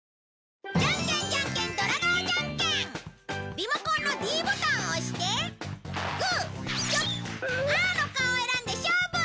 リモコンのｄボタンを押してグーチョキパーの顔を選んで勝負！